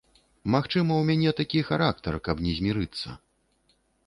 Магчыма, у мяне такі характар, каб не змірыцца.